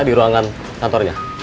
di ruangan kantornya